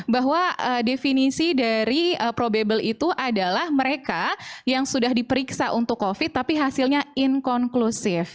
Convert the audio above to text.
bahwa definisi dari probable itu adalah mereka yang sudah diperiksa untuk covid tapi hasilnya inkonklusif